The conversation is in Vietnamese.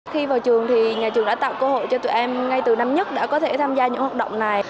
khi vào trường thì nhà trường đã tạo cơ hội cho tụi em ngay từ năm nhất đã có thể tham gia những hoạt động này